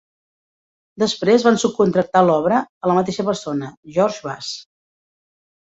Després, van subcontractar l'obra a la mateixa persona, George Bass.